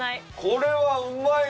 これはうまいわ。